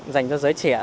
dành cho giới trẻ